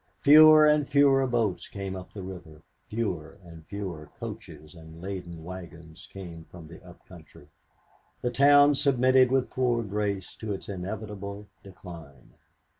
Fewer and fewer boats came up the river, fewer and fewer coaches and laden wagons came from the up country. The town submitted with poor grace to its inevitable decline.